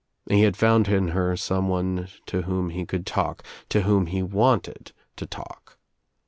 He had found In her someone to whom he could talk, to whom he wanted to talk.